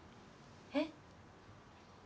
えっ？